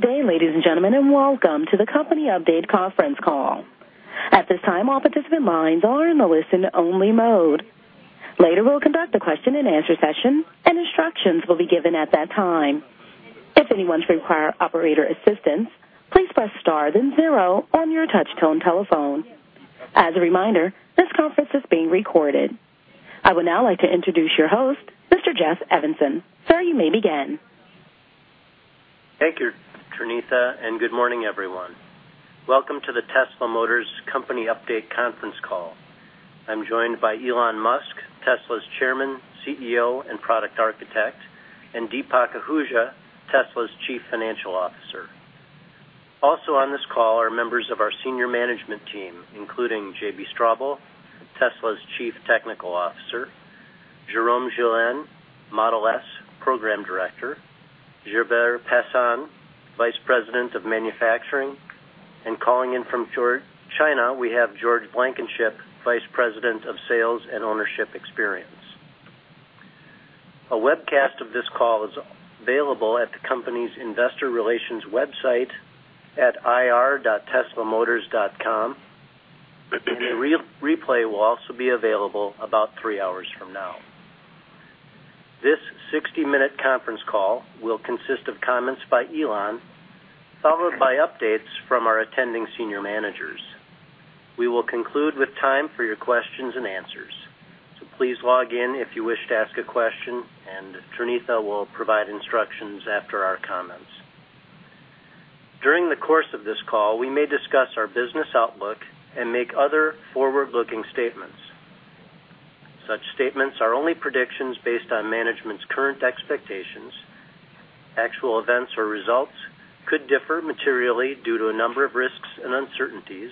Good day, ladies and gentlemen, and welcome to the Company Update Conference Call. At this time, all participant lines are in the listen-only mode. Later, we'll conduct a question and answer session, and instructions will be given at that time. If anyone should require operator assistance, please press star, then zero on your touch-tone telephone. As a reminder, this conference is being recorded. I would now like to introduce your host, Mr. Jeff Evanson. Sir, you may begin. Thank you, Trinita, and good morning, everyone. Welcome to the Tesla Motors Company Update Conference Call. I'm joined by Elon Musk, Tesla's Chairman, CEO, and Product Architect, and Deepak Ahuja, Tesla's Chief Financial Officer. Also on this call are members of our senior management team, including J.B. Straubel, Tesla's Chief Technical Officer, Jerome Guillen, Model S Program Director, Gilbert Passin, Vice President of Manufacturing, and calling in from China, we have George Blankenship, Vice President of Sales and Ownership Experience. A webcast of this call is available at the company's investor relations website at ir.teslamotors.com, and a replay will also be available about three hours from now. This 60-minute Conference Call will consist of comments by Elon, followed by updates from our attending senior managers. We will conclude with time for your questions and answers, so please log in if you wish to ask a question, and Trinita will provide instructions after our comments. During the course of this call, we may discuss our business outlook and make other forward-looking statements. Such statements are only predictions based on management's current expectations. Actual events or results could differ materially due to a number of risks and uncertainties,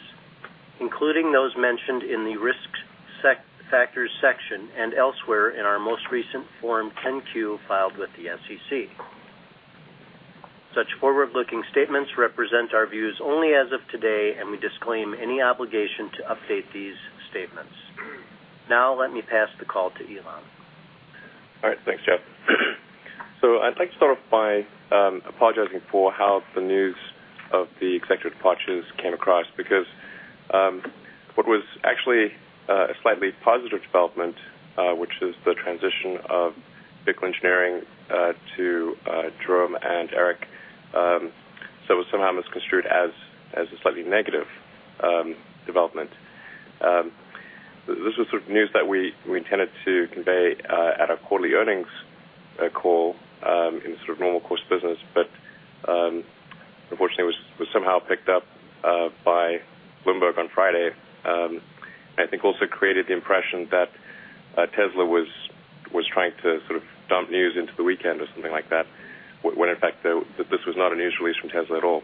including those mentioned in the Risk Factors section and elsewhere in our most recent Form 10-Q filed with the SEC. Such forward-looking statements represent our views only as of today, and we disclaim any obligation to update these statements. Now, let me pass the call to Elon. All right. Thanks, Jeff. I'd like to start off by apologizing for how the news of the executive departures came across because what was actually a slightly positive development, which is the transition of Bickel Engineering to Jerome and Eric, was somehow misconstrued as a slightly negative development. This was the news that we intended to convey at our quarterly earnings call in the sort of normal course of business, but unfortunately, it was somehow picked up by Bloomberg on Friday, and I think also created the impression that Tesla was trying to sort of dump news into the weekend or something like that, when in fact this was not a news release from Tesla at all.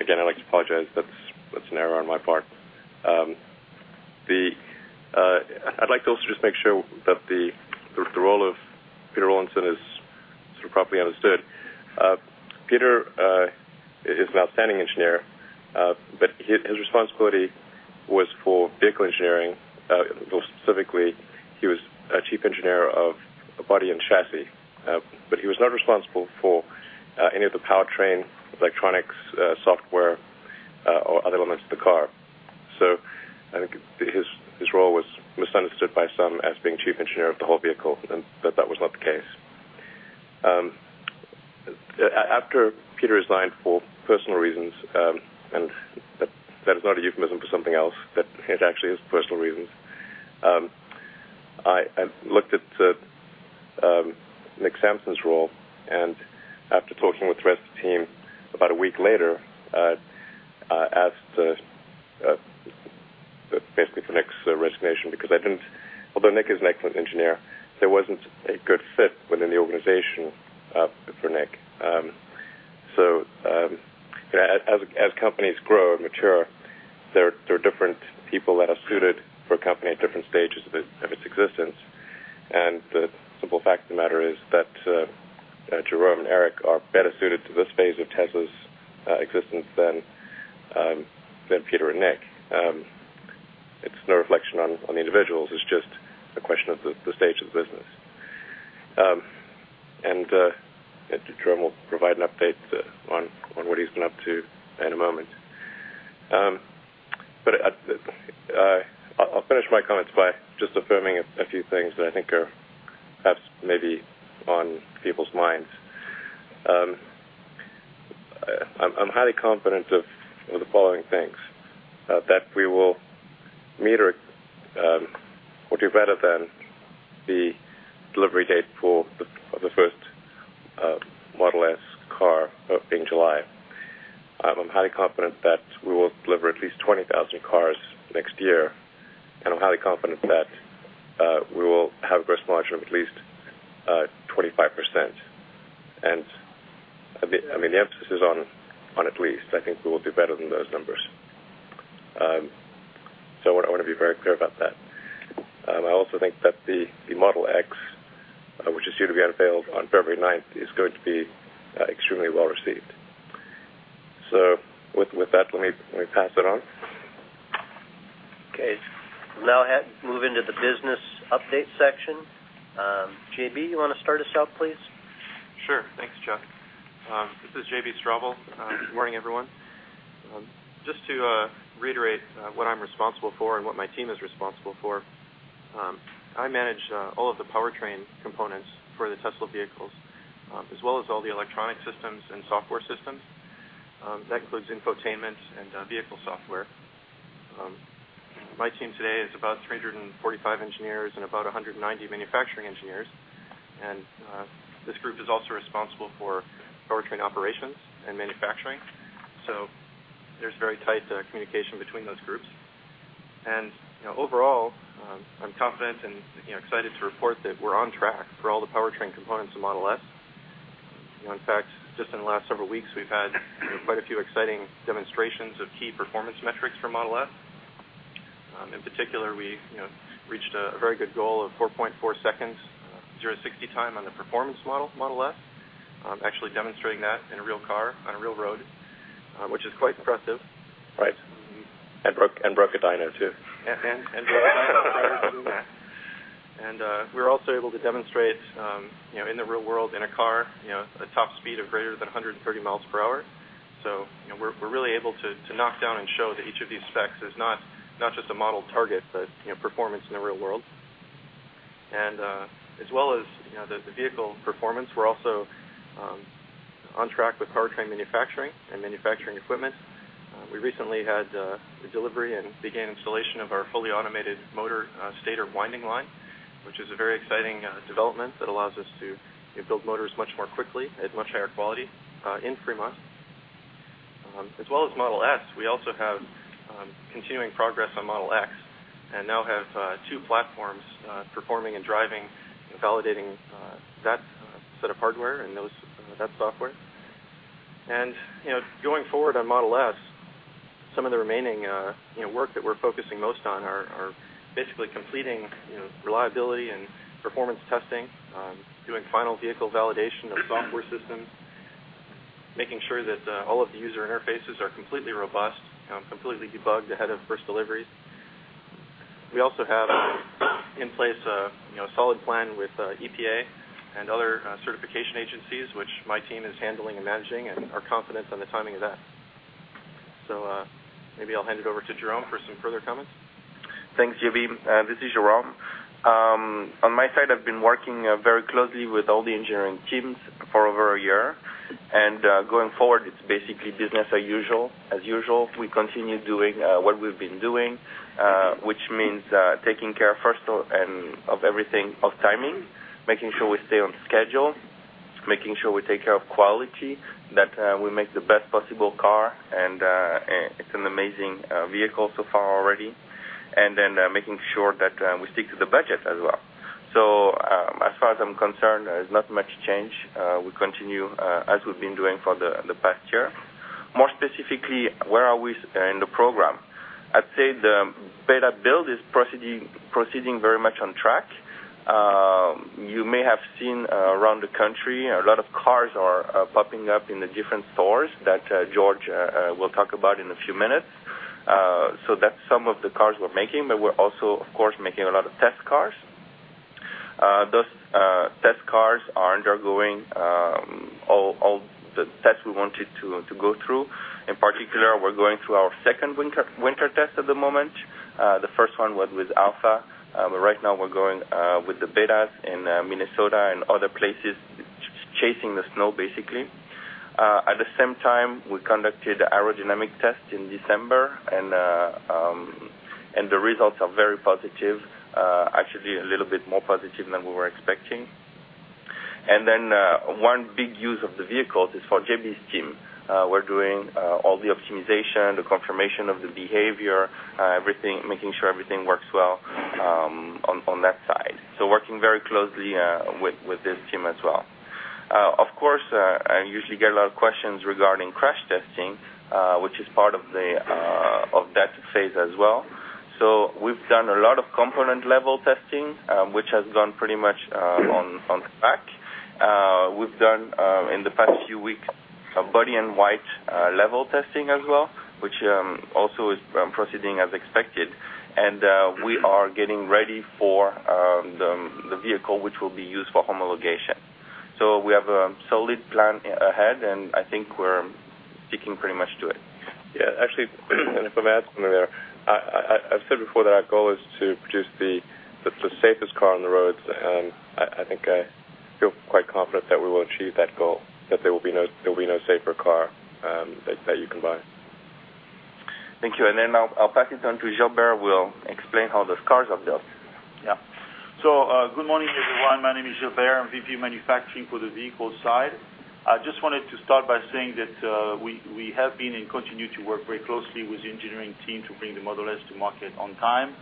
Again, I'd like to apologize. That's an error on my part. I'd like to also just make sure that the role of Rawlinson is sort of properly understood. Peter is an outstanding engineer, but his responsibility was for Bickel Engineering. More specifically, he was Chief Engineer of the body and chassis, but he was not responsible for any of the powertrain, electronics, software, or other elements of the car. I think his role was misunderstood by some as being Chief Engineer of the whole vehicle, but that was not the case. After Peter resigned for personal reasons, and that is not a euphemism for something else, it actually is personal reasons, I looked at Nick Sampson's role, and after talking with the rest of the team about a week later, I asked basically for Nick's resignation because, although Nick is an excellent engineer, it wasn't a good fit within the organization for Nick. As companies grow and mature, there are different people that are suited for a company at different stages of its existence, and the simple fact of the matter is that Jerome and Eric are better suited to this phase of Tesla's existence than Peter and Nick. It's no reflection on the individuals. It's just a question of the stage of the business. Jerome will provide an update on what he's been up to in a moment. I'll finish my comments by just affirming a few things that I think are perhaps maybe on people's minds. I'm highly confident of the following things: that we will meet or do better than the delivery date of the first Model S car, hopefully in July. I'm highly confident that we will deliver at least 20,000 cars next year, and I'm highly confident that we will have a gross margin of at least 25%. The emphasis is on at least. I think we will do better than those numbers. I want to be very clear about that. I also think that the Model X, which is soon to be unveiled on February 9th, is going to be extremely well-received. With that, let me pass it on. Okay. Now, moving to the business update section, J.B., you want to start us out, please? Sure. Thanks, Jeff. This is J.B. Straubel. Good morning, everyone. Just to reiterate what I'm responsible for and what my team is responsible for, I manage all of the powertrain components for the Tesla vehicles, as well as all the electronic systems and software systems. That includes infotainment and vehicle software. My team today is about 345 engineers and about 190 manufacturing engineers, and this group is also responsible for powertrain operations and manufacturing. There is very tight communication between those groups. Overall, I'm confident and excited to report that we're on track for all the powertrain components of Model S. In fact, just in the last several weeks, we've had quite a few exciting demonstrations of key performance metrics for Model S. In particular, we reached a very good goal of 4.4 seconds 0-60 mph time on the performance Model S, actually demonstrating that in a real car on a real road, which is quite impressive. Right. It broke a dyno too. We were also able to demonstrate in the real world in a car a top speed of greater than 130 miles per hour. We were really able to knock down and show that each of these specs is not just a model target, but performance in the real world. As well as the vehicle performance, we're also on track with powertrain manufacturing and manufacturing equipment. We recently had the delivery and began installation of our fully automated motor stator winding line, which is a very exciting development that allows us to build motors much more quickly at much higher quality in Fremont. As well as Model S, we also have continuing progress on Model X and now have two platforms performing and driving, validating that set of hardware and that software. Going forward on Model S, some of the remaining work that we're focusing most on are basically completing reliability and performance testing, doing final vehicle validation of software systems, making sure that all of the user interfaces are completely robust and completely debugged ahead of first deliveries. We also have in place a solid plan with EPA and other certification agencies, which my team is handling and managing and are confident on the timing of that. Maybe I'll hand it over to Jerome for some further comments. Thanks, J.B. This is Jerome. On my side, I've been working very closely with all the engineering teams for over a year. Going forward, it's basically business as usual. We continue doing what we've been doing, which means taking care first and of everything of timing, making sure we stay on schedule, making sure we take care of quality, that we make the best possible car, and it's an amazing vehicle so far already, making sure that we stick to the budget as well. As far as I'm concerned, there's not much change. We continue as we've been doing for the past year. More specifically, where are we in the program? I'd say the beta build is proceeding very much on track. You may have seen around the country, a lot of cars are popping up in the different stores that George will talk about in a few minutes. That's some of the cars we're making, but we're also, of course, making a lot of test cars. Those test cars are undergoing all the tests we wanted to go through. In particular, we're going through our second winter test at the moment. The first one was with Alpha. Right now, we're going with the beta in Minnesota and other places, chasing the snow, basically. At the same time, we conducted the aerodynamic test in December, and the results are very positive, actually a little bit more positive than we were expecting. One big use of the vehicles is for J.B.'s team. We're doing all the optimization, the confirmation of the behavior, making sure everything works well on that side. Working very closely with this team as well. Of course, I usually get a lot of questions regarding crash testing, which is part of that phase as well. We've done a lot of component-level testing, which has gone pretty much on track. We've done, in the past few weeks, body and white level testing as well, which also is proceeding as expected. We are getting ready for the vehicle which will be used for homologation. We have a solid plan ahead, and I think we're sticking pretty much to it. Actually, if I may add something there, I've said before that our goal is to produce the safest car on the roads, and I think I feel quite confident that we will achieve that goal, that there will be no safer car that you can buy. Thank you. I'll pass it on to Gilbert. He will explain how those cars are built. Yeah. Good morning, everyone. My name is Gilbert. I'm VP of Manufacturing for the vehicle side. I just wanted to start by saying that we have been and continue to work very closely with the engineering team to bring the Model S to market on time.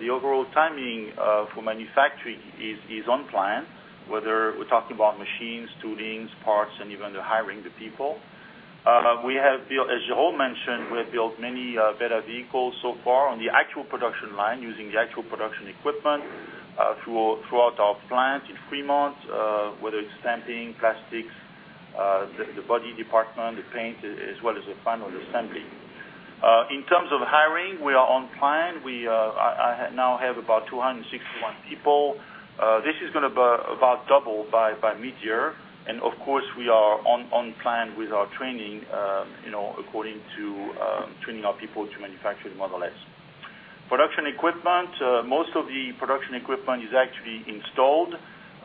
The overall timing for manufacturing is on plan, whether we're talking about machines, tooling, parts, and even the hiring of the people. As Jerome mentioned, we have built many beta vehicles so far on the actual production line using the actual production equipment throughout our plant in Fremont, whether it's stamping, plastics, the body department, the paint, as well as the final assembly. In terms of hiring, we are on plan. We now have about 261 people. This is going to about double by mid-year. Of course, we are on plan with our training, according to training our people to manufacture the Model S. Most of the production equipment is actually installed.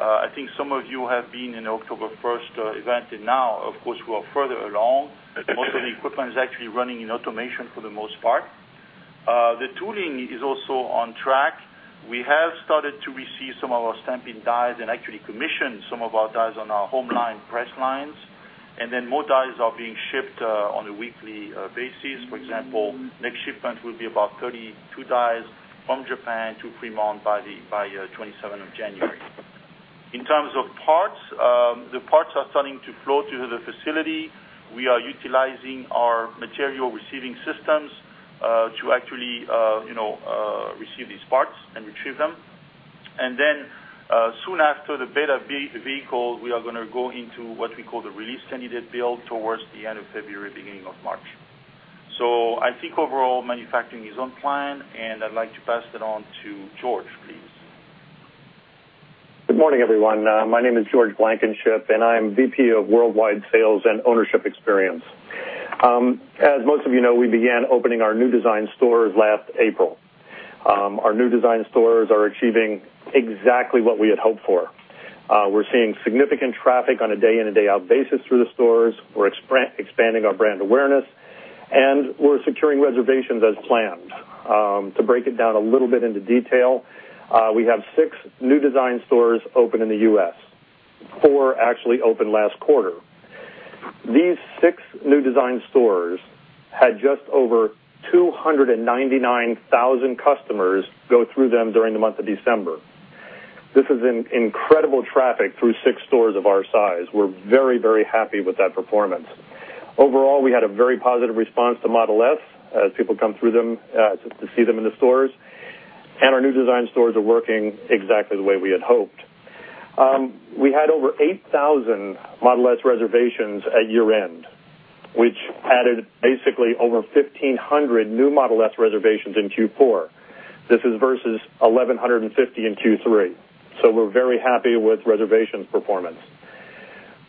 I think some of you have been in the October 1 event, and now, of course, we are further along. Most of the equipment is actually running in automation for the most part. The tooling is also on track. We have started to receive some of our stamping dies and actually commissioned some of our dies on our home line, press lines. More dies[dyes]are being shipped on a weekly basis. For example, next shipment will be about 32 dies from Japan to Fremont by January 27, 2012. In terms of parts, the parts are starting to flow to the facility. We are utilizing our material receiving systems to actually receive these parts and retrieve them. Soon after the beta vehicles, we are going to go into what we call the release candidate build towards the end of February, beginning of March. I think overall manufacturing is on plan, and I'd like to pass that on to George, please. Good morning, everyone. My name is George Blankenship, and I'm VP of Worldwide Sales and Ownership Experience. As most of you know, we began opening our new design stores last April. Our new design stores are achieving exactly what we had hoped for. We're seeing significant traffic on a day-in, day-out basis through the stores. We're expanding our brand awareness, and we're securing reservations as planned. To break it down a little bit into detail, we have six new design stores open in the U.S. Four actually opened last quarter. These six new design stores had just over 299,000 customers go through them during the month of December. This is incredible traffic through six stores of our size. We're very, very happy with that performance. Overall, we had a very positive response to Model S as people come through them to see them in the stores, and our new design stores are working exactly the way we had hoped. We had over 8,000 Model S reservations at year-end, which added basically over 1,500 new Model S reservations in Q4. This is versus 1,150 in Q3. We're very happy with reservations performance.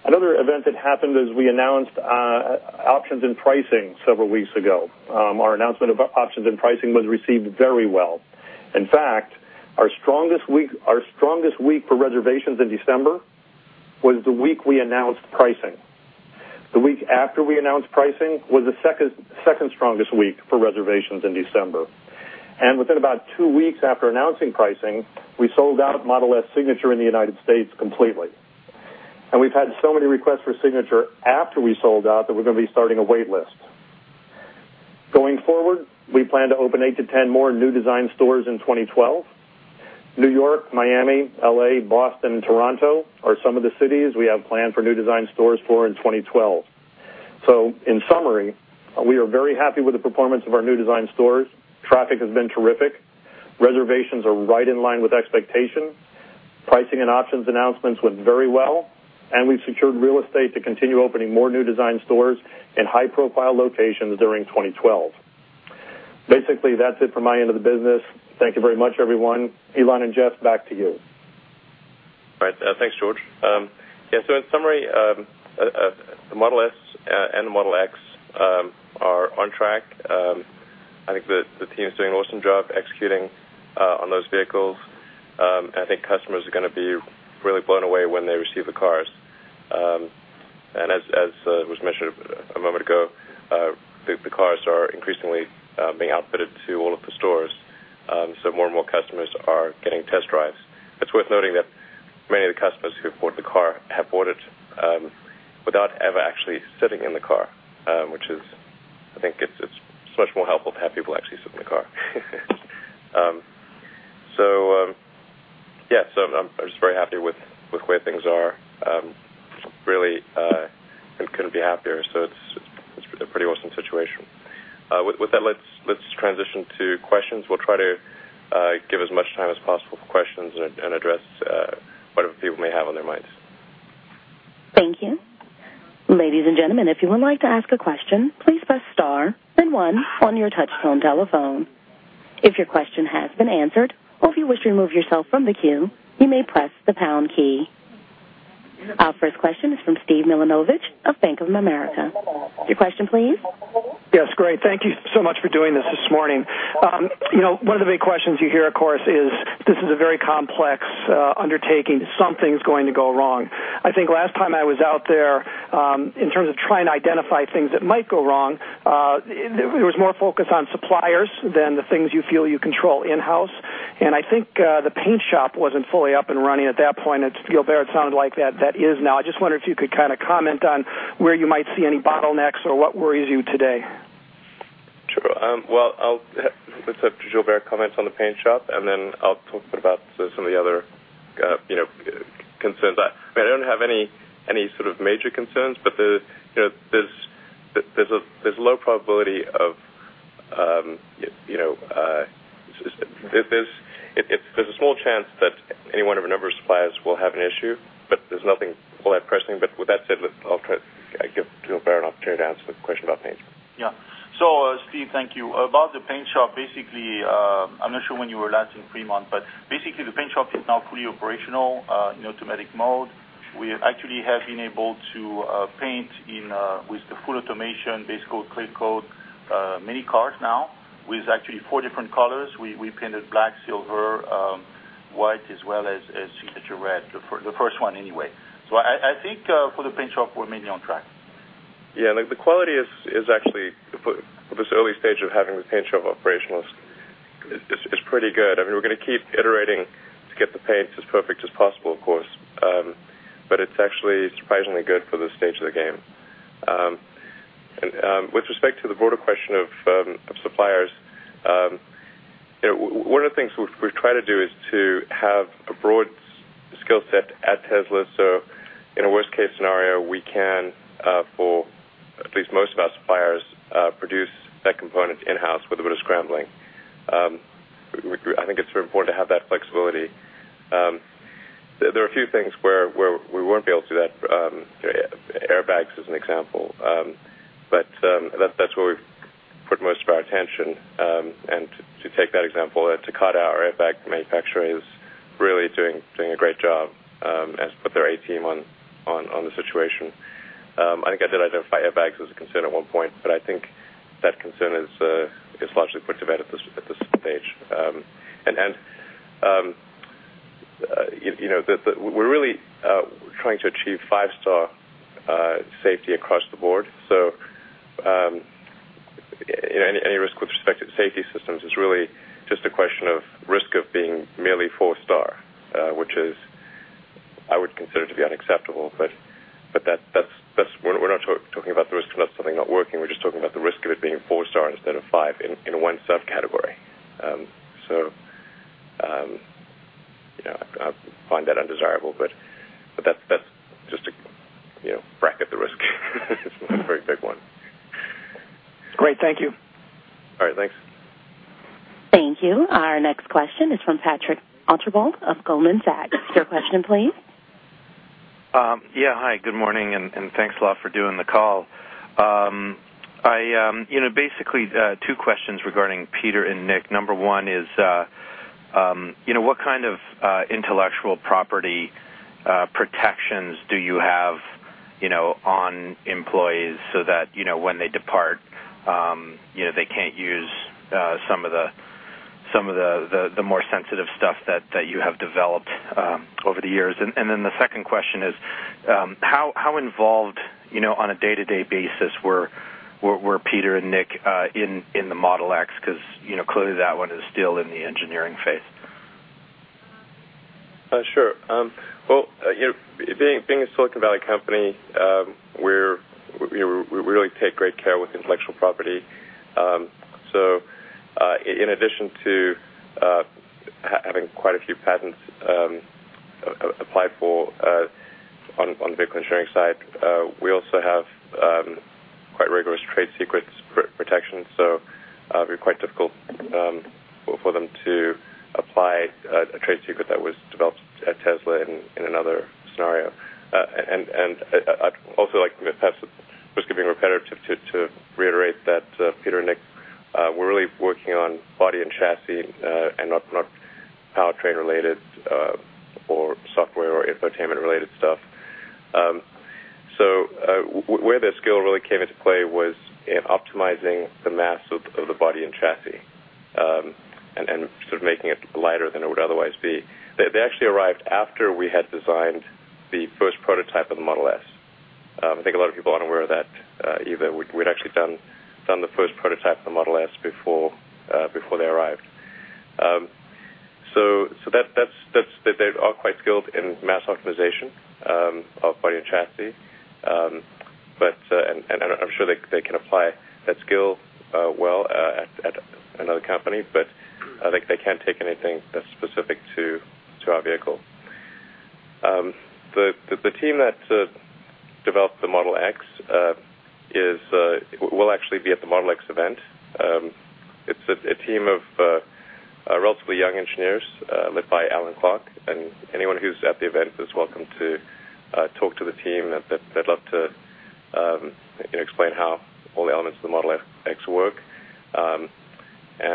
Another event that happened is we announced options and pricing several weeks ago. Our announcement of options and pricing was received very well. In fact, our strongest week for reservations in December was the week we announced pricing. The week after we announced pricing was the second strongest week for reservations in December. Within about two weeks after announcing pricing, we sold out Model S Signature in the United States completely. We've had so many requests for Signature after we sold out that we're going to be starting a waitlist. Going forward, we plan to open 8 to ten more new design stores in 2012. New York, Miami, L.A., Boston, and Toronto are some of the cities we have planned for new design stores in 2012. In summary, we are very happy with the performance of our new design stores. Traffic has been terrific. Reservations are right in line with expectation. Pricing and options announcements went very well, and we've secured real estate to continue opening more new design stores in high-profile locations during 2012. Basically, that's it from my end of the business. Thank you very much, everyone. Elon and Jeff, back to you. All right. Thanks, George. In summary, the Model S and the Model X are on track. I think the team is doing an awesome job executing on those vehicles. I think customers are going to be really blown away when they receive the cars. As was mentioned a moment ago, the cars are increasingly being outfitted to all of the stores. More and more customers are getting test drives. It's worth noting that many of the customers who have bought the car have bought it without ever actually sitting in the car, which is, I think, it's so much more helpful to have people actually sit in the car. I'm just very happy with where things are. Really, I couldn't be happier. It's a pretty awesome situation. With that, let's transition to questions. We'll try to give as much time as possible for questions and address whatever people may have on their minds. Thank you. Ladies and gentlemen, if you would like to ask a question, please press star and 1 on your touch-tone telephone. If your question has been answered or if you wish to remove yourself from the queue, you may press the pound key. Our first question is from Steve Milunovich of Bank of America. Your question, please? Yes. Great. Thank you so much for doing this this morning. You know, one of the big questions you hear, of course, is this is a very complex undertaking. Something is going to go wrong. I think last time I was out there, in terms of trying to identify things that might go wrong, there was more focus on suppliers than the things you feel you control in-house. I think the paint shop wasn't fully up and running at that point. To Gilbert, it sounded like that is now. I just wonder if you could kind of comment on where you might see any bottlenecks or what worries you today. Sure. Let's have Gilbert comment on the paint shop, and then I'll talk about some of the other concerns. I don't have any sort of major concerns, but there's a low probability, there's a small chance that any one of our number of suppliers will have an issue, but there's nothing all that pressing. With that said, I'll try to give Gilbert an opportunity to answer the question about paint. Yeah. Steve, thank you. About the paint shop, basically, I'm not sure when you were last in Fremont, but basically, the paint shop is now fully operational in automatic mode. We actually have been able to paint with the full automation, base coat, clear coat, many cars now with actually four different colors. We painted black, silver, white, as well as signature red, the first one anyway. I think for the paint shop, we're mainly on track. Yeah. The quality is actually, for this early stage of having the paint shop operational, pretty good. I mean, we're going to keep iterating to get the paint as perfect as possible, of course, but it's actually surprisingly good for the stage of the game. With respect to the broader question of suppliers, one of the things we've tried to do is to have a broad skill set at Tesla. In a worst-case scenario, we can, for at least most of our suppliers, produce that component in-house with a bit of scrambling. I think it's very important to have that flexibility. There are a few things where we won't be able to do that. Airbags is an example, but that's where we've put most of our attention. To take that example, our airbag manufacturing is really doing a great job and has put their A-team on the situation. I think I did identify airbags as a concern at one point, but I think that concern is largely put to bed at this stage. We're really trying to achieve five-star safety across the board. Any risk with respect to safety systems is really just a question of risk of being merely four-star, which I would consider to be unacceptable. We're not talking about the risk of something not working. We're just talking about the risk of it being a four-star instead of five in one subcategory. I find that undesirable, but that's just to bracket the risk. It's just a very big one. Great. Thank you. All right, thanks. Thank you. Our next question is from Patrick Alterbold of Goldman Sachs. Your question, please. Yeah. Hi. Good morning, and thanks a lot for doing the call. I basically have two questions regarding Peter and Nick. Number one is, you know, what kind of intellectual property protection do you have on employees so that when they depart, they can't use some of the more sensitive stuff that you have developed over the years? The second question is, how involved on a day-to-day basis were Peter and Nick in the Model X? Because clearly, that one is still in the engineering phase. Sure. Being a Silicon Valley company, we really take great care with intellectual property. In addition to having quite a few patterns applied for on the vehicle engineering side, we also have quite rigorous trade secrets protections. It would be quite difficult for them to apply a trade secret that was developed at Tesla in another scenario. I'd also like to, at the risk of being repetitive, reiterate that Peter and Nick were really working on body and chassis and not powertrain-related or software or infotainment-related stuff. Where their skill really came into play was in optimizing the mass of the body and chassis and making it lighter than it would otherwise be. They actually arrived after we had designed the first prototype of the Model S. I think a lot of people aren't aware of that either. We'd actually done the first prototype of the Model S before they arrived. They are quite skilled in mass optimization of body and chassis, and I'm sure they can apply that skill well at another company, but they can't take anything that's specific to our vehicle. The team that developed the Model X will actually be at the Model X event. It's a team of relatively young engineers led by Alan Clark. Anyone who's at the event is welcome to talk to the team, and they'd love to explain how all the elements of the Model X work. I'd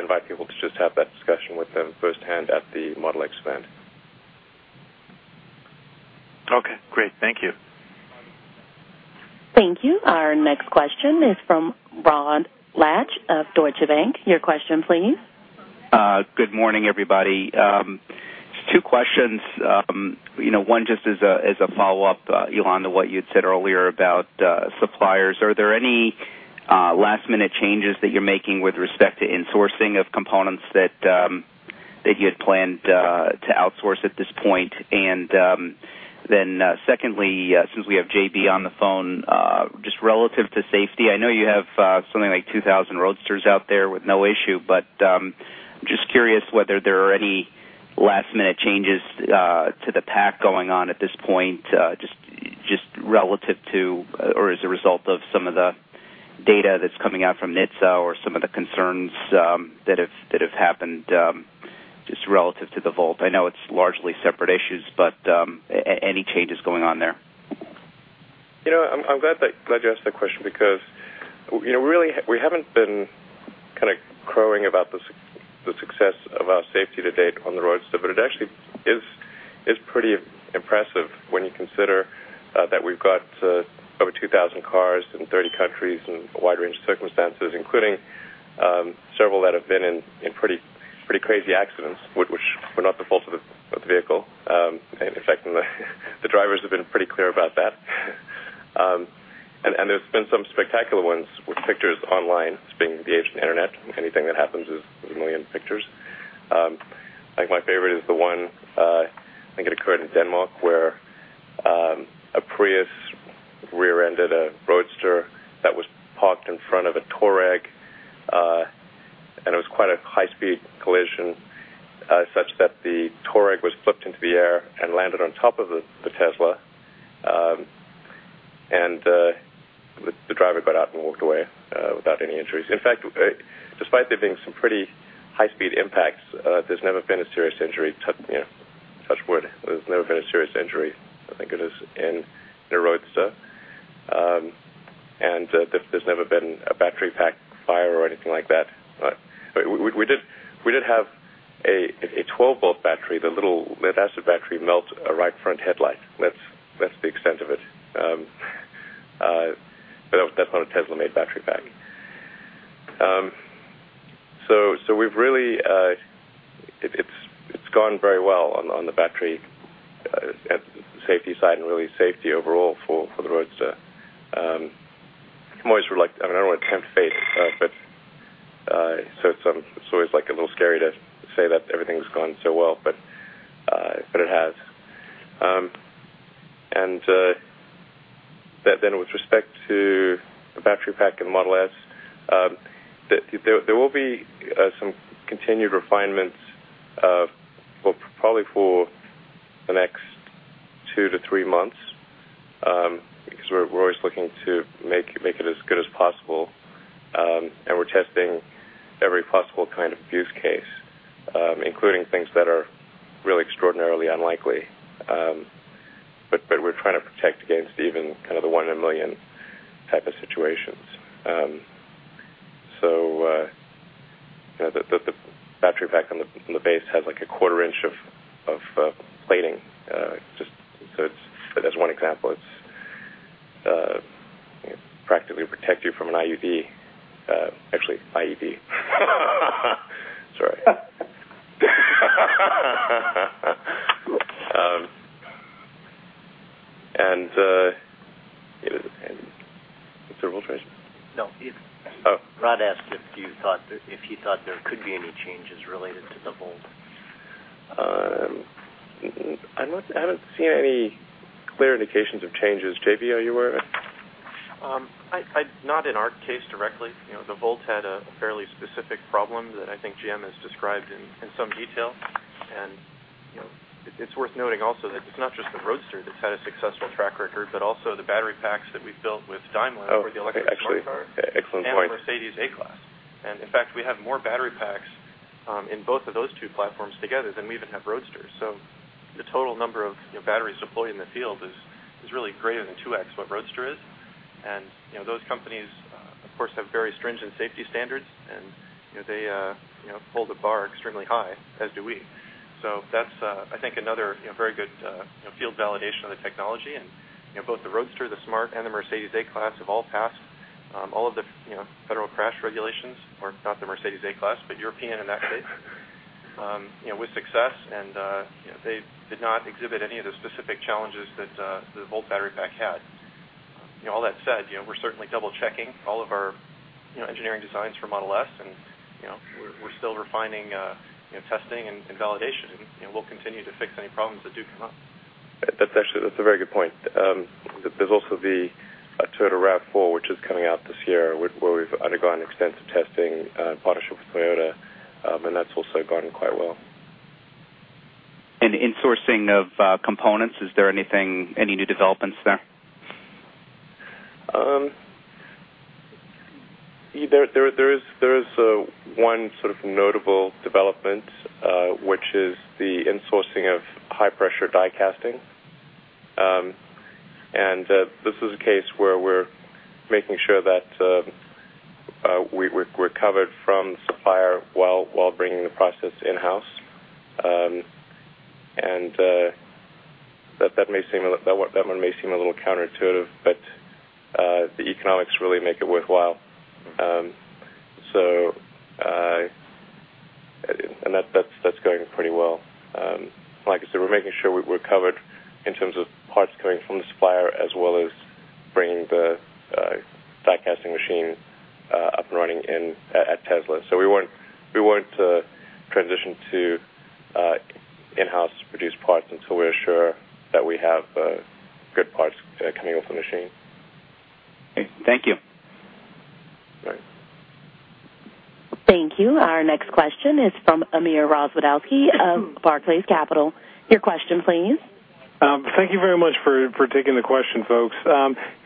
invite people to just have that discussion with them firsthand at the Model X event. Okay, great. Thank you. Thank you. Our next question is from Ron Latsch of Deutsche Bank. Your question, please. Good morning, everybody. It's two questions. One, just as a follow-up, Elon, to what you'd said earlier about suppliers. Are there any last-minute changes that you're making with respect to insourcing of components that you had planned to outsource at this point? Secondly, since we have J.B. on the phone, just relative to safety, I know you have something like 2,000 Roadsters out there with no issue, but I'm just curious whether there are any last-minute changes to the pack going on at this point, just relative to or as a result of some of the data that's coming out from NHTSA or some of the concerns that have happened just relative to the Volt. I know it's largely separate issues, but any changes going on there? You know, I'm glad you asked that question because we really haven't been kind of crowing about the success of our safety to date on the Roadster, but it actually is pretty impressive when you consider that we've got over 2,000 cars in 30 countries in a wide range of circumstances, including several that have been in pretty crazy accidents, which were not the fault of the vehicle. In fact, the drivers have been pretty clear about that. There's been some spectacular ones with pictures online. It's being engaged in the internet. Anything that happens has a million pictures. I think my favorite is the one, I think it occurred in Denmark, where a Prius rear-ended a Roadster that was parked in front of a Touareg. It was quite a high-speed collision such that the Touareg was flipped into the air and landed on top of the Tesla. The driver got out and walked away without any injuries. In fact, despite there being some pretty high-speed impacts, there's never been a serious injury. There's never been a serious injury, thank goodness, in a Roadster. There's never been a battery pack fire or anything like that. We did have a 12-volt battery. The little lead-acid battery melted a right front headlight. That's the extent of it. That's not a Tesla-made battery pack. We've really, it's gone very well on the battery safety side and really safety overall for the Roadster. I'm always reluctant. I don't want to tempt fate, so it's always like a little scary to say that everything's gone so well, but it has. With respect to the battery pack in the Model S, there will be some continued refinements probably for the next two to three months because we're always looking to make it as good as possible. We're testing every possible kind of use case, including things that are really extraordinarily unlikely. We're trying to protect against even kind of the one in a million type of situations. The battery pack in the base has like a quarter inch of plating. Just so as one example, it's practically to protect you from an IED, actually, IED. Sorry. That's it. No, not asked if you thought there could be any changes related to the Volt. I haven't seen any clear indications of changes. J.B., are you aware of it? Not in our case directly. The Volt had a fairly specific problem that I think GM has described in some detail. It's worth noting also that it's not just the Roadster that's had a successful track record, but also the battery packs that we've built with Daimler for the electric excavator. Excellent point. Mercedes A-Class. In fact, we have more battery packs in both of those two platforms together than we even have Roadster. The total number of batteries deployed in the field is really greater than 2X what Roadster is. Those companies, of course, have very stringent safety standards, and they hold the bar extremely high, as do we. That is, I think, another very good field validation of the technology. Both the Roadster, the Smart, and the Mercedes A-Class have all passed all of the federal crash regulations, or not the Mercedes A-Class, but European in that case, with success. They did not exhibit any of the specific challenges that the Volt battery pack had. All that said, we're certainly double-checking all of our engineering designs for Model S, and we're still refining testing and validation. We'll continue to fix any problems that do come up. That's a very good point. There's also the Toyota RAV4, which is coming out this year, where we've undergone extensive testing in partnership with Toyota, and that's also gone quite well. Is there anything, any new developments in insourcing of components? There is one sort of notable development, which is the insourcing of high-pressure die casting. This is a case where we're making sure that we're covered from the supplier while bringing the process in-house. That one may seem a little counterintuitive, but the economics really make it worthwhile. That's going pretty well. Like I said, we're making sure we're covered in terms of parts coming from the supplier as well as bringing the die casting machine up and running at Tesla. We won't transition to in-house produced parts until we're sure that we have good parts coming off the machine. Thank you. All right. Thank you. Our next question is from Amir Razwedowski of Barclays Capital. Your question, please. Thank you very much for taking the question, folks.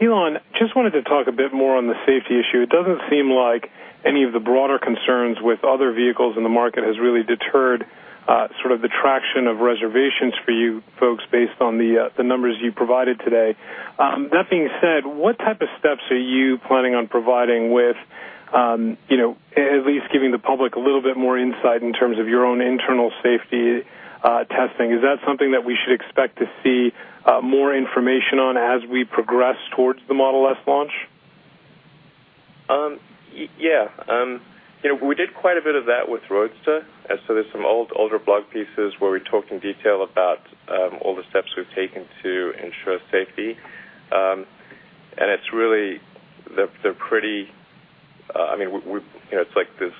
Elon, just wanted to talk a bit more on the safety issue. It doesn't seem like any of the broader concerns with other vehicles in the market has really deterred the traction of reservations for you folks based on the numbers you provided today. That being said, what type of steps are you planning on providing with at least giving the public a little bit more insight in terms of your own internal safety testing? Is that something that we should expect to see more information on as we progress towards the Model S launch? Yeah. You know, we did quite a bit of that with Roadster. There are some older blog pieces where we talked in detail about all the steps we've taken to ensure safety. It's really, I mean, it's like this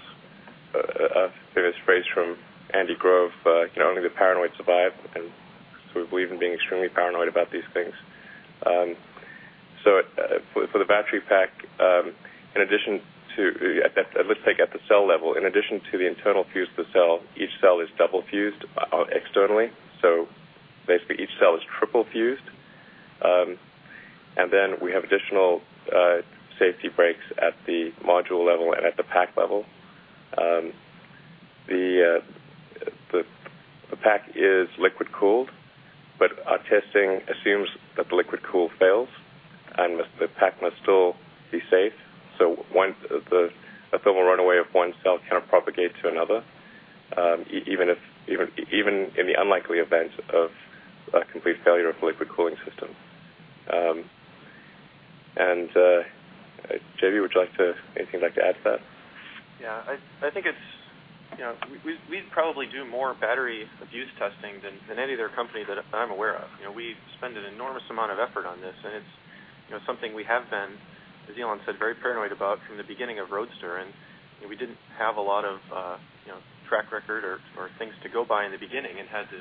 famous phrase from Andy Grove, "Only the paranoid survive." We believe in being extremely paranoid about these things. For the battery pack, at the cell level, in addition to the internal fuse of the cell, each cell is double fused externally. Basically, each cell is triple fused. We have additional safety brakes at the module level and at the pack level. The pack is liquid cooled, but our testing assumes that the liquid cool fails and the pack must still be safe. A thermal runaway of one cell cannot propagate to another, even in the unlikely event of a complete failure of the liquid cooling system. J.B., would you like to, anything you'd like to add to that? Yeah, I think it's, you know, we probably do more battery abuse testing than any other company that I'm aware of. We spend an enormous amount of effort on this, and it's something we have been, as Elon said, very paranoid about from the beginning of Roadster. We didn't have a lot of track record or things to go by in the beginning and had to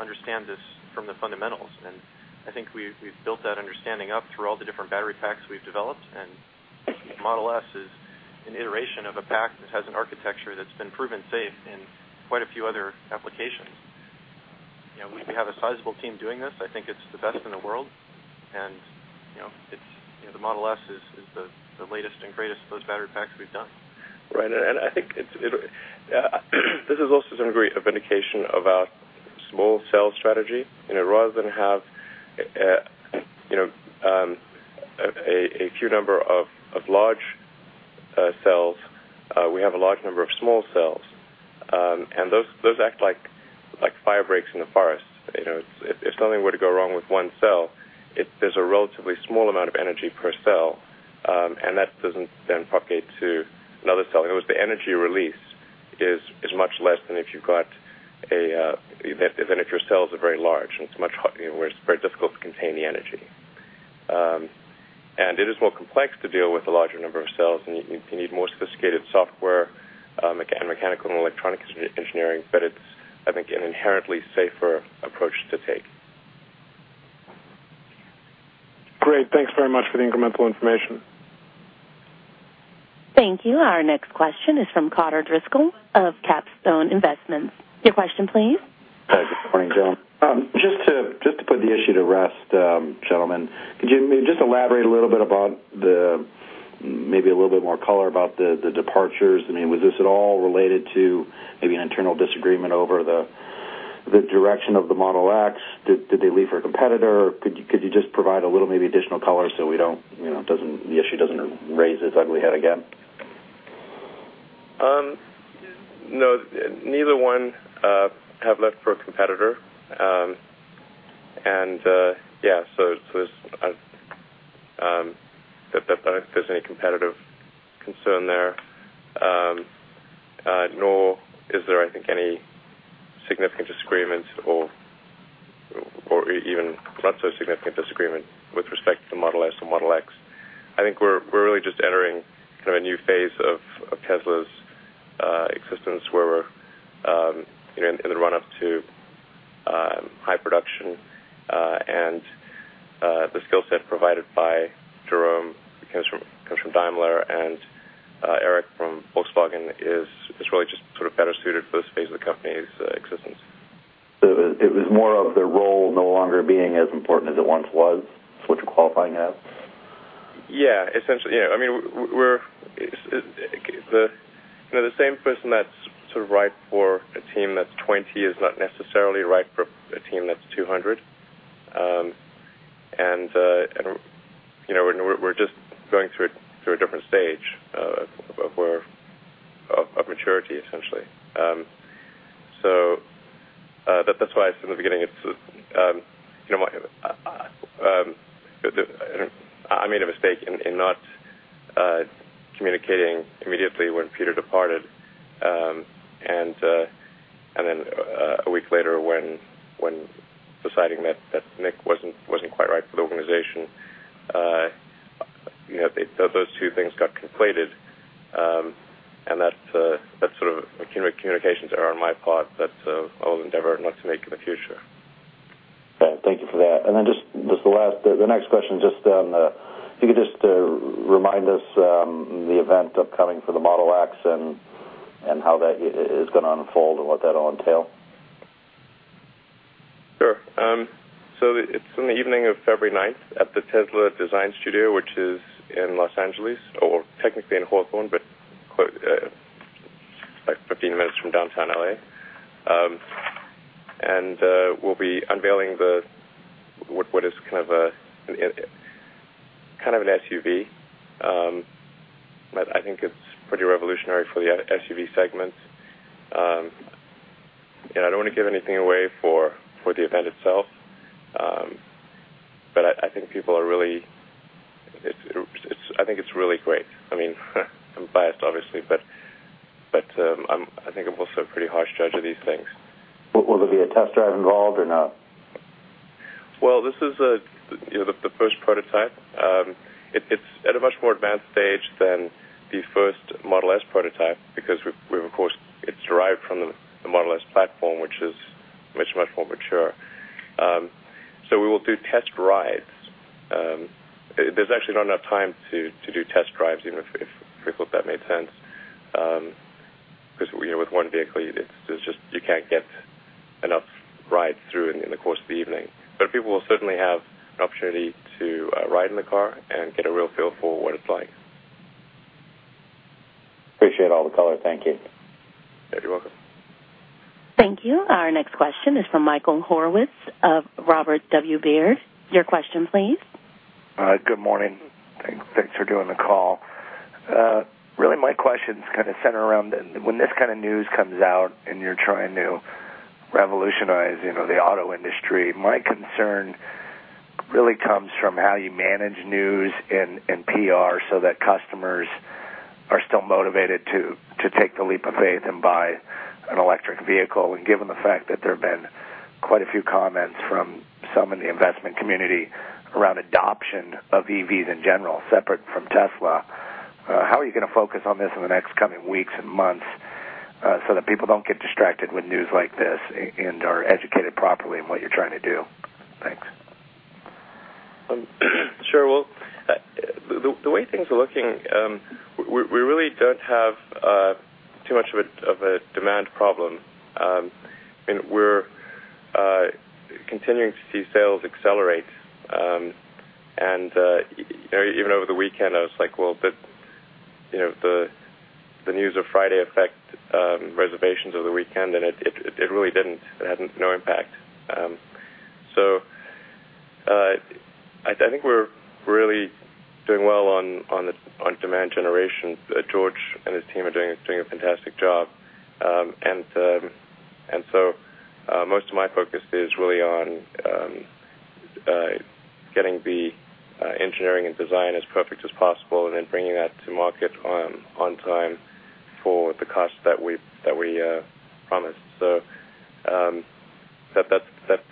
understand this from the fundamentals. I think we've built that understanding up through all the different battery packs we've developed. The Model S is an iteration of a pack that has an architecture that's been proven safe in quite a few other applications. We have a sizable team doing this. I think it's the best in the world, and the Model S is the latest and greatest of those battery packs we've done. Right. I think this is also some degree of indication of our small cell strategy. Rather than have a huge number of large cells, we have a large number of small cells. Those act like firebreaks in the forest. If something were to go wrong with one cell, there's a relatively small amount of energy per cell, and that doesn't then propagate to another cell. In other words, the energy release is much less than if your cells are very large and it's much, you know, where it's very difficult to contain the energy. It is more complex to deal with a larger number of cells, and you need more sophisticated software and mechanical and electronic engineering. I think it's an inherently safer approach to take. Great. Thanks very much for the incremental information. Thank you. Our next question is from Carter Driscoll of Capstone Investments. Your question, please. Thanks. Good morning, Jerome. Just to put the issue to rest, gentlemen, could you elaborate a little bit more about the departures? Was this at all related to an internal disagreement over the direction of the Model X? Did they leave for a competitor? Could you provide a little additional color so the issue doesn't raise its ugly head again? No. Neither one have left for a competitor. There's no competitive concern there, nor is there, I think, any significant disagreement or even perhaps a significant disagreement with respect to the Model S or Model X. We're really just entering kind of a new phase of Tesla's existence where we're in the run-up to high production. The skill set provided by Jerome, who comes from Daimler, and Eric from Volkswagen, is really just sort of better suited for this phase of the company's existence. It was more of the role no longer being as important as it once was, is what you're qualifying as? Essentially, yeah. I mean, the same person that's sort of right for a team that's 20 is not necessarily right for a team that's 200. We're just going through a different stage of maturity, essentially. That's why I said in the beginning, I made a mistake in not communicating immediately when Peter departed and then a week later when deciding that Nick wasn't quite right for the organization. Those two things got conflated. That's sort of a communications error on my part, but I will endeavor not to make it in the future. All right. Thank you for that. The next question, just on the, if you could just remind us the event upcoming for the Model X and how that is going to unfold and what that will entail. Sure. It's on the evening of February 9th at the Tesla Design Studio, which is in Los Angeles, or technically in Hawthorne, but like 15 minutes from downtown LA. We'll be unveiling what is kind of an SUV. I think it's pretty revolutionary for the SUV segment. I don't want to give anything away for the event itself, but I think people are really, I think it's really great. I mean, I'm biased, obviously, but I think I'm also a pretty harsh judge of these things. Will there be a test drive involved or no? This is the first prototype. It's at a much more advanced stage than the first Model S prototype because it's derived from the Model S platform, which is much, much more mature. We will do test rides. There's actually not enough time to do test drives, even if that made sense, because with one vehicle, you can't get enough rides through in the course of the evening. People will certainly have an opportunity to ride in the car and get a real feel for what it's like. Appreciate all the color. Thank you. You're welcome. Thank you. Our next question is from Michael Horwitz of Robert W. Baird. Your question, please. Good morning. Thanks for doing the call. Really, my question is kind of centered around when this kind of news comes out and you're trying to revolutionize the auto industry, my concern really comes from how you manage news and PR so that customers are still motivated to take the leap of faith and buy an electric vehicle. Given the fact that there have been quite a few comments from some in the investment community around adoption of EVs in general, separate from Tesla, how are you going to focus on this in the next coming weeks and months so that people don't get distracted with news like this and are educated properly in what you're trying to do? Thanks. Sure. The way things are looking, we really don't have too much of a demand problem. I mean, we're continuing to see sales accelerate. Even over the weekend, I was like, you know, the news of Friday affect reservations over the weekend, and it really didn't. It had no impact. I think we're really doing well on demand generation. George and his team are doing a fantastic job. Most of my focus is really on getting the engineering and design as perfect as possible and then bringing that to market on time for the cost that we promised. That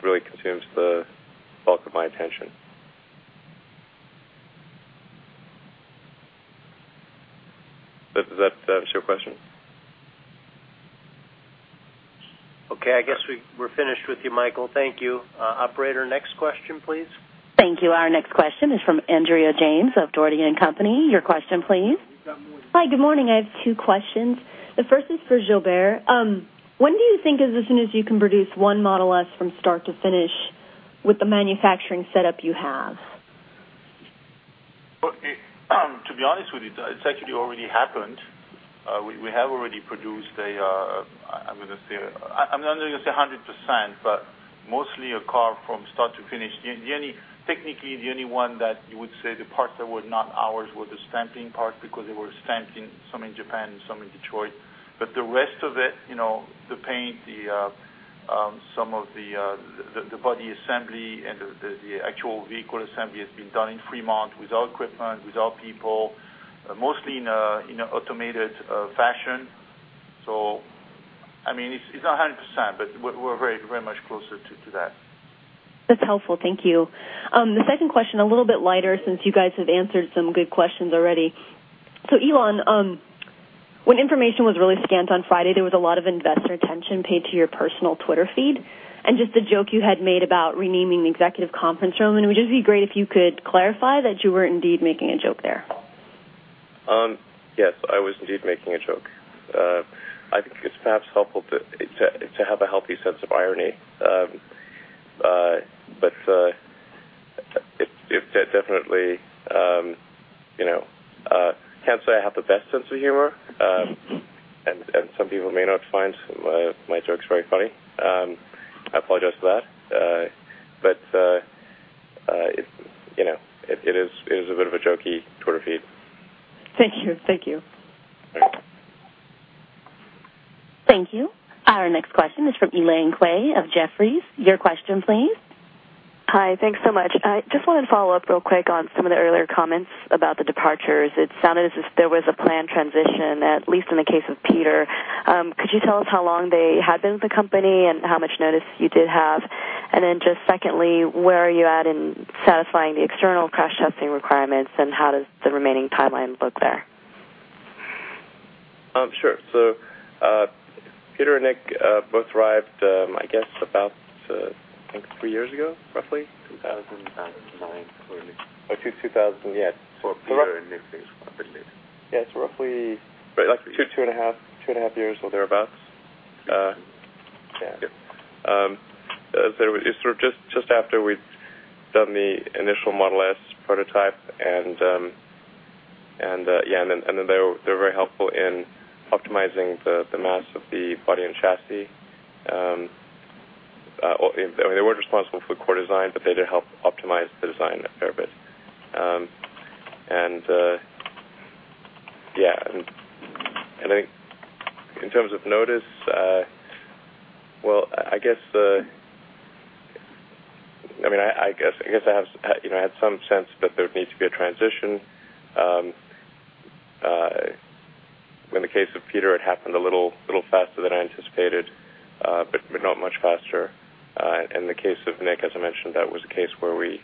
really consumes the bulk of my attention. Is that your question? Okay. I guess we're finished with you, Michael. Thank you. Operator, next question, please. Thank you. Our next question is from Andrea James of Dougherty and Company. Your question, please. Hi. Good morning. I have two questions. The first is for Gilbert. When do you think is as soon as you can produce one Model S from start to finish with the manufacturing setup you have? To be honest with you, it's actually already happened. We have already produced a, I'm going to say, I'm not going to say 100%, but mostly a car from start to finish. Technically, the only one that you would say the parts that were not ours were the stamping part because they were stamping some in Japan and some in Detroit. The rest of it, you know, the paint, some of the body assembly, and the actual vehicle assembly has been done in Fremont with our equipment, with our people, mostly in an automated fashion. I mean, it's not 100%, but we're very, very much closer to that. That's helpful. Thank you. The second question, a little bit lighter since you guys have answered some good questions already. Elon, when information was really scant on Friday, there was a lot of investor attention paid to your personal Twitter feed and just the joke you had made about renaming the executive conference room. It would just be great if you could clarify that you were indeed making a joke there. Yes, I was indeed making a joke. I think it's perhaps helpful to have a healthy sense of irony. I can't say I have the best sense of humor, and some people may not find my jokes very funny. I apologize for that. It is a bit of a jokey Twitter feed. Thank you. Thank you. Thank you. Our next question is from Elaine Kueh of Jefferies. Your question, please. Hi. Thanks so much. I just wanted to follow up real quick on some of the earlier comments about the departures. It sounded as if there was a planned transition, at least in the case of Peter. Could you tell us how long they had been with the company and how much notice you did have? Secondly, where are you at in satisfying the external crash testing requirements, and how does the remaining timeline look there? Sure. Peter and Nick both arrived, I guess, about, I think, three years ago, roughly. 2009. Yeah. Peter and Nick, I believe. Yeah. It's roughly like two, two and a half, two and a half years, or thereabouts. Yeah. It's just after we'd done the initial Model S prototype. They were very helpful in optimizing the mass of the body and chassis. They weren't responsible for the core design, but they did help optimize the design a fair bit. I think in terms of notice, I guess I have some sense that there would need to be a transition. In the case of Peter, it happened a little faster than I anticipated, but not much faster. In the case of Nick, as I mentioned, that was a case where we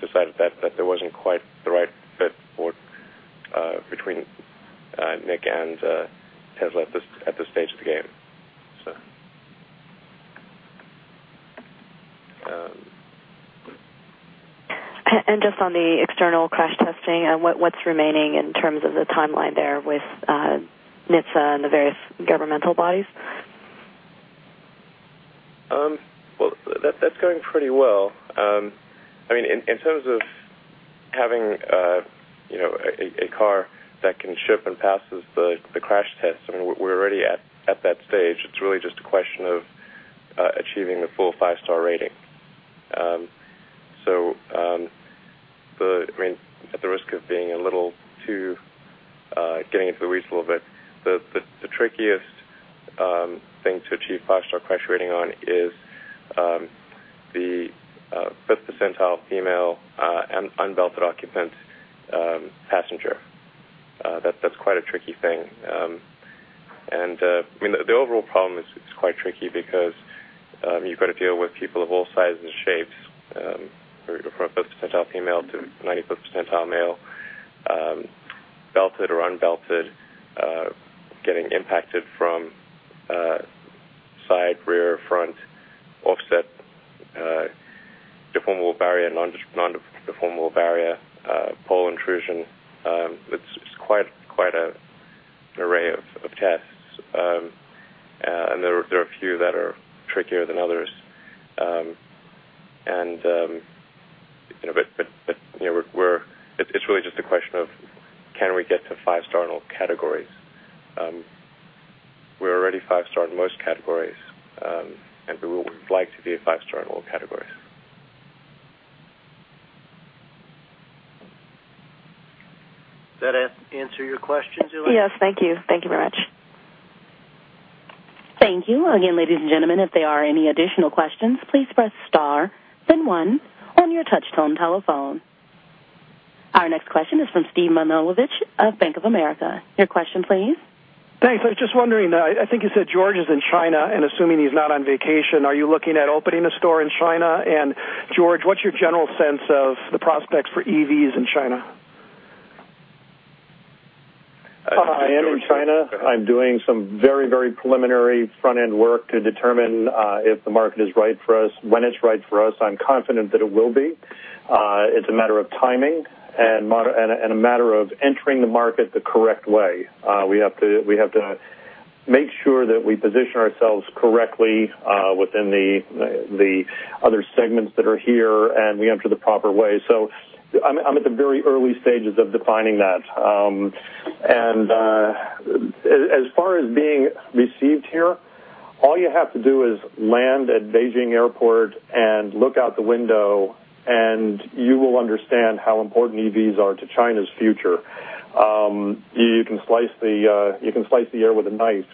decided that there wasn't quite the right fit between Nick and Tesla at this stage of the game. Regarding the external crash testing, what's remaining in terms of the timeline there with NHTSA and the various governmental bodies? That's going pretty well. I mean, in terms of having a car that can ship and pass the crash test, we're already at that stage. It's really just a question of achieving the full five-star rating. At the risk of getting into the weeds a little bit, the trickiest thing to achieve five-star crash rating on is the fifth percentile female unbelted occupant passenger. That's quite a tricky thing. The overall problem is quite tricky because you've got to deal with people of all sizes and shapes, from a fifth percentile female to 90% percentile male, belted or unbelted, getting impacted from side, rear, front, offset, deformable barrier, non-deformable barrier, pole intrusion. It's quite an array of tests. There are a few that are trickier than others. It's really just a question of can we get to five-star in all categories. We're already five-star in most categories, and we would like to be a five-star in all categories. Does that answer your question, Julie? Yes, thank you. Thank you very much. Thank you. Again, ladies and gentlemen, if there are any additional questions, please press star then one on your touch-tone telephone. Our next question is from Steve Milunovich of Bank of America. Your question, please. Thanks. I was just wondering, I think you said George is in China, and assuming he's not on vacation, are you looking at opening a store in China? George, what's your general sense of the prospects for EVs in China? I am in China. I'm doing some very, very preliminary front-end work to determine if the market is right for us, when it's right for us. I'm confident that it will be. It's a matter of timing and a matter of entering the market the correct way. We have to make sure that we position ourselves correctly within the other segments that are here, and we enter the proper way. I'm at the very early stages of defining that. As far as being received here, all you have to do is land at Beijing Airport and look out the window, and you will understand how important EVs are to China's future. You can slice the air with a knife.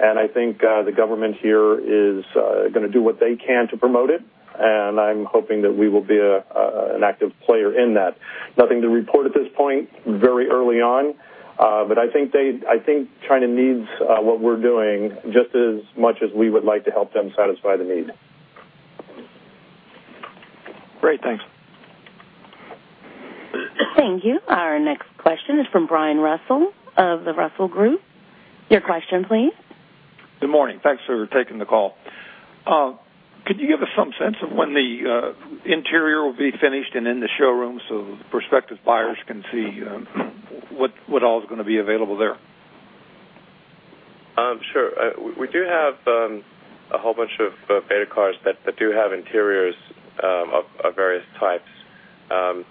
I think the government here is going to do what they can to promote it, and I'm hoping that we will be an active player in that. Nothing to report at this point, very early on. I think China needs what we're doing just as much as we would like to help them satisfy the need. Great. Thanks. Thank you. Our next question is from Brian Russell of the Russell Group. Your question, please. Good morning. Thanks for taking the call. Could you give us some sense of when the interior will be finished and in the showroom so the prospective buyers can see what all is going to be available there? Sure. We do have a whole bunch of beta cars that do have interiors of various types. The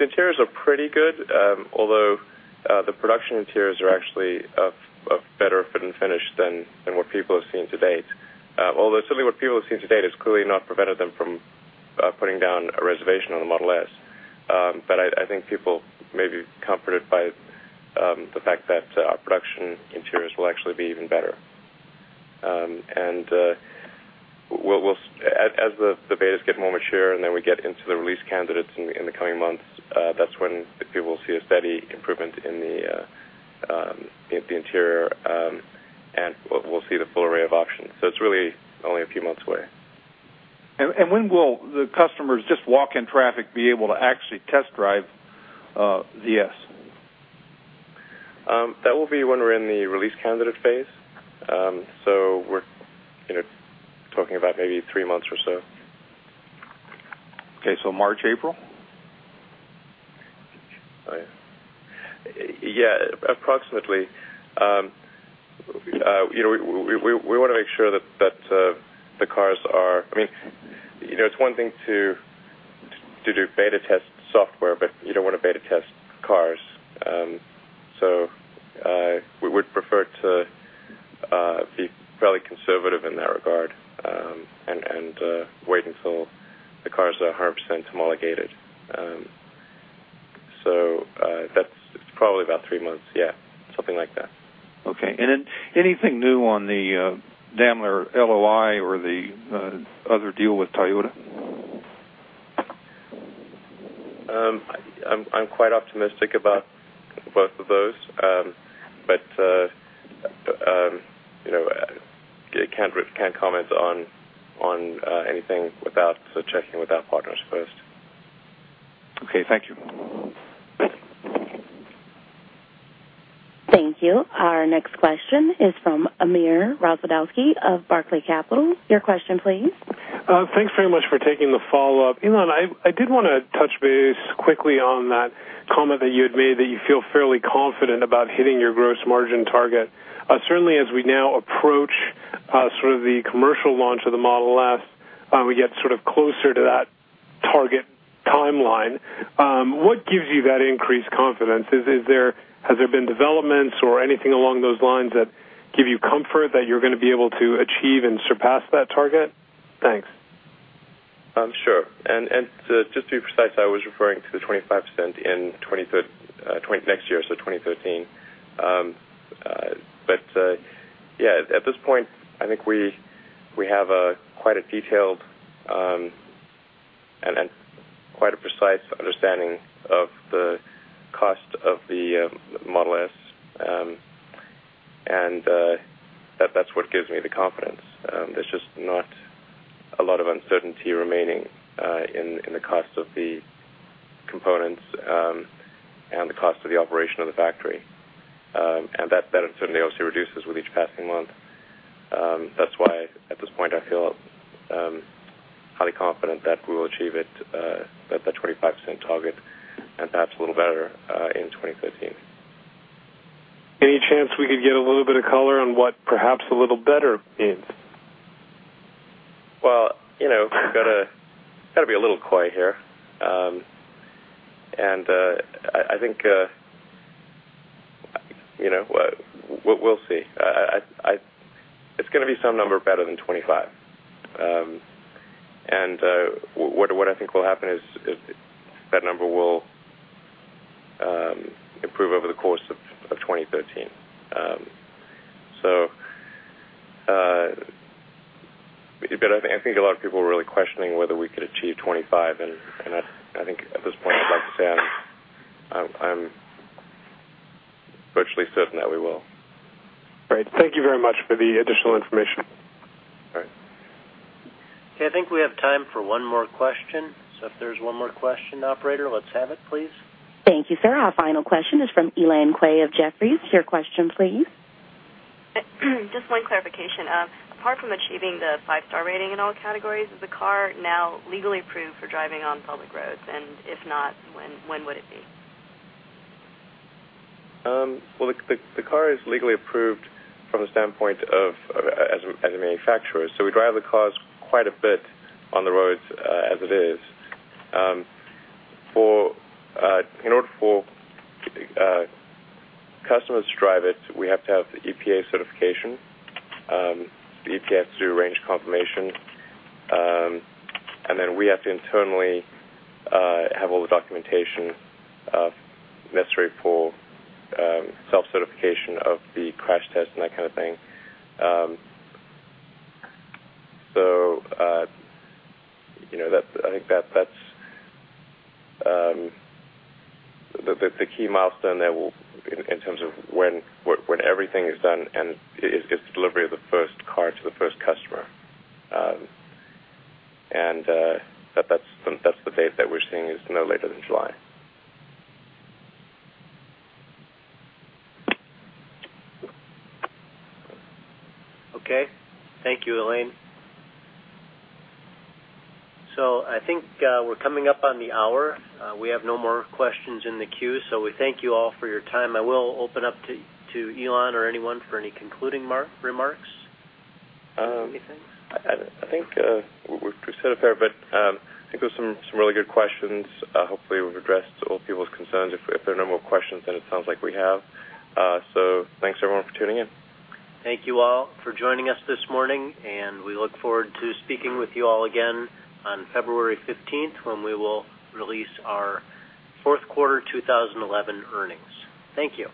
interiors are pretty good, although the production interiors are actually better for the finish than what people have seen to date. What people have seen to date has clearly not prevented them from putting down a reservation on the Model S. I think people may be comforted by the fact that our production interiors will actually be even better. As the betas get more mature and we get into the release candidate builds in the coming months, that's when people will see a steady improvement in the interior, and we'll see the full array of options. It is really only a few months away. When will the customers, just walk-in traffic, be able to actually test drive the S? That will be when we're in the release candidate phase. We're talking about maybe three months or so. Okay. March, April? Yeah, approximately. We want to make sure that the cars are, I mean, you know, it's one thing to do beta test software, but you don't want to beta test cars. We would prefer to be fairly conservative in that regard and wait until the cars are 100% homologated. It's probably about three months, yeah, something like that. Okay. Is there anything new on the Daimler LOI or the other deal with Toyota? I'm quite optimistic about both of those, but I can't comment on anything without checking with our partners first. Okay, thank you. Thank you. Our next question is from Amir Razwadowski of Barclays. Your question, please. Thanks very much for taking the follow-up. Elon, I did want to touch base quickly on that comment that you had made that you feel fairly confident about hitting your gross margin target. Certainly, as we now approach sort of the commercial launch of the Model S, we get sort of closer to that target timeline. What gives you that increased confidence? Has there been developments or anything along those lines that give you comfort that you're going to be able to achieve and surpass that target? Thanks. Sure. Just to be precise, I was referring to the 25% in next year, so 2013. At this point, I think we have quite a detailed and quite a precise understanding of the cost of the Model S. That's what gives me the confidence. There's just not a lot of uncertainty remaining in the cost of the components and the cost of the operation of the factory. That uncertainty obviously reduces with each passing month. That's why at this point, I feel highly confident that we will achieve it at the 25% target and perhaps a little better in 2013. Any chance we could get a little bit of color on what perhaps a little better is? You know, it's got to be a little coy here. I think, you know, we'll see. It's going to be some number better than 25. What I think will happen is that number will improve over the course of 2013. A lot of people are really questioning whether we could achieve 25. At this point, I'd like to say I'm virtually certain that we will. All right, thank you very much for the additional information. All right. Okay, I think we have time for one more question. If there's one more question, operator, let's have it, please. Thank you, sir. Our final question is from Elaine Kueh of Jefferies. Your question, please. Just one clarification. Apart from achieving the five-star safety ratings in all categories, is the car now legally approved for driving on public roads? If not, when would it be? The car is legally approved from the standpoint of as a manufacturer. We drive the cars quite a bit on the roads as it is. In order for customers to drive it, we have to have the EPA certification. The EPA has to do a range of confirmations, and we have to internally have all the documentation necessary for self-certification of the crash test and that kind of thing. I think that's the key milestone there in terms of when everything is done, and it's the delivery of the first car to the first customer. That's the date that we're seeing is no later than July. Thank you, Elaine. I think we're coming up on the hour. We have no more questions in the queue. We thank you all for your time. I will open up to Elon or anyone for any concluding remarks. I think we've said it there, but I think there were some really good questions. Hopefully, we've addressed all people's concerns. If there are no more questions, it sounds like we have. Thanks, everyone, for tuning in. Thank you all for joining us this morning. We look forward to speaking with you all again on February 15th when we will release our Fourth Quarter 2011 Earnings. Thank you.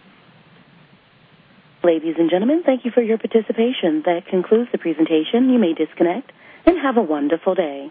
Ladies and gentlemen, thank you for your participation. That concludes the presentation. You may disconnect and have a wonderful day.